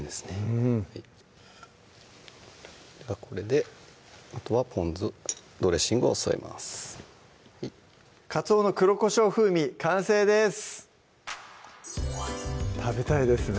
うんではこれであとはぽん酢ドレッシングを添えます「かつおの黒胡椒風味」完成です食べたいですね